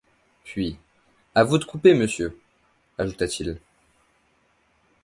Puis :« À vous de couper, monsieur, » ajouta-t-il